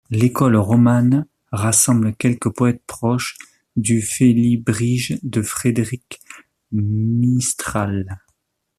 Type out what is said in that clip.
L'École Romane rassemble quelques poètes proches du Félibrige de Frédéric Mistral.